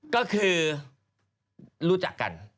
ก็คือรู้จักกัน